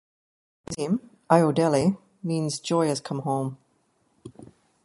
His name, Ayodele, means "Joy has come home".